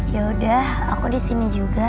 yaudah aku di sini juga